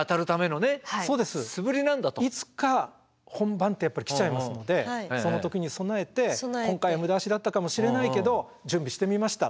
いつか本番ってやっぱり来ちゃいますのでその時に備えて今回は無駄足だったかもしれないけど準備してみました